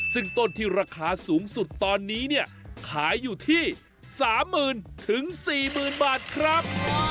ซึ่งต้นที่ราคาสูงสุดตอนนี้เนี้ยขายอยู่ที่สามหมื่นถึงสี่หมื่นบาทครับ